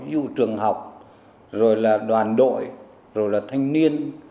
ví dụ trường học rồi là đoàn đội rồi là thanh niên